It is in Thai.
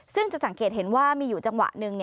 ซึ่งจะสังเกตเห็นว่ามีอยู่จังหวะหนึ่ง